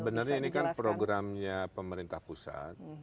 sebenarnya ini kan programnya pemerintah pusat